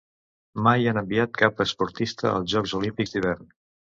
Mai han enviat cap esportista als Jocs Olímpics d'Hivern.